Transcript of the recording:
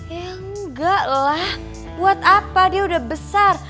ya enggak lah buat apa dia udah besar